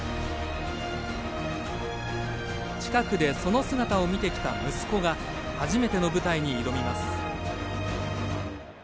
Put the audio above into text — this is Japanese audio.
近くでその姿を見てきた息子が初めての舞台に挑みます。